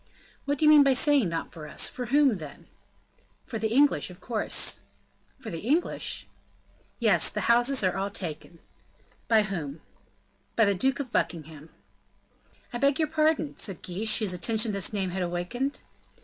"What do you mean by saying not for us? for whom, then?" "For the English, of course." "For the English?" "Yes; the houses are all taken." "By whom?" "By the Duke of Buckingham." "I beg your pardon?" said Guiche, whose attention this name had awakened.